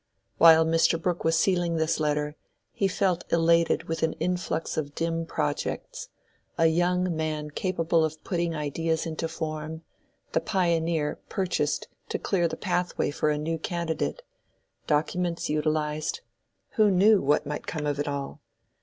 While Mr. Brooke was sealing this letter, he felt elated with an influx of dim projects:—a young man capable of putting ideas into form, the "Pioneer" purchased to clear the pathway for a new candidate, documents utilized—who knew what might come of it all?